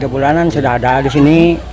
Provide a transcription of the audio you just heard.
tiga bulanan sudah ada disini